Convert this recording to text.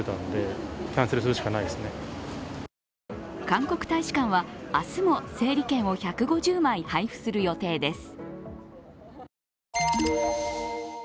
韓国大使館は、明日も整理券を１５０枚配布する予定です。